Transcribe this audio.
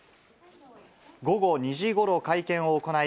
午後２時ごろ会見を行い、